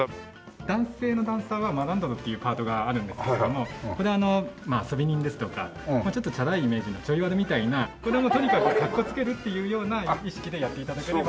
男性のダンサーはマランドロっていうパートがあるんですけれどもこれあの遊び人ですとかちょっとチャラいイメージのチョイ悪みたいなこれもとにかくかっこつけるっていうような意識でやって頂ければ。